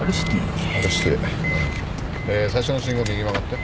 で最初の信号右曲がって。